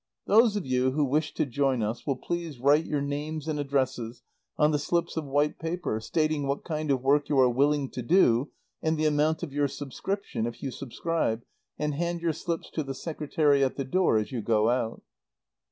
"Those of you who wish to join us will please write your names and addresses on the slips of white paper, stating what kind of work you are willing to do and the amount of your subscription, if you subscribe, and hand your slips to the Secretary at the door, as you go out."